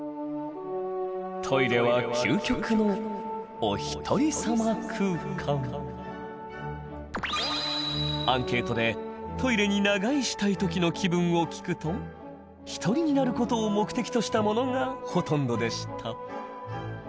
トイレはアンケートでトイレに長居したいときの気分を聞くと一人になることを目的としたものがほとんどでした。